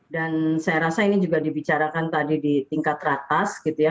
saya rasa ini juga dibicarakan tadi di tingkat ratas gitu ya